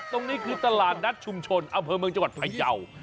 ตรงนี้คือตลาดนัดชุมชนอำเภอเมืองจังหวัดพยาว